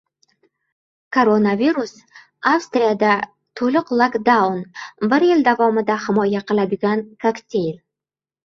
Koronavirus: Avstriyada to‘liq lokdaun, bir yil davomida himoya qiladigan kokteyl